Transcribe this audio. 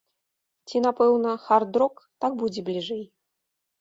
Ці, напэўна, хард-рок, так будзе бліжэй.